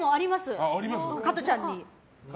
加トちゃんに。